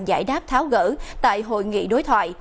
giải đáp tháo gỡ tại hội nghị đối thoại